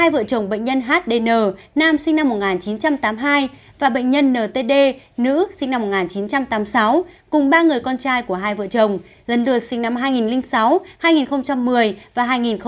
hai vợ chồng bệnh nhân hdn nam sinh năm một nghìn chín trăm tám mươi hai và bệnh nhân ntd nữ sinh năm một nghìn chín trăm tám mươi sáu cùng ba người con trai của hai vợ chồng lần lượt sinh năm hai nghìn sáu hai nghìn một mươi và hai nghìn một mươi bảy